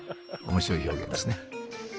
面白い表現ですね。